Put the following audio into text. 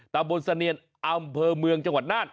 ตามบนสะเนียนอำเภอเมืองจังหวัดนาฏ